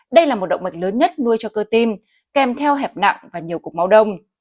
đây là một động mạch lớn nhất nuôi cho cơ tim kèm theo hẹp nặng và nhiều cục máu đông